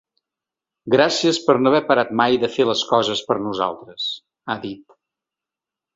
Gràcies per no haver parat mai de fer les coses per nosaltres, ha dit.